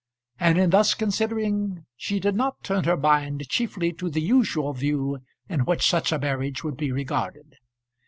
And in thus considering she did not turn her mind chiefly to the usual view in which such a marriage would be regarded.